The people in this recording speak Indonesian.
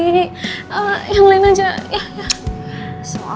kemhousesan lainnya saja